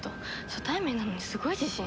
初対面なのにすごい自信。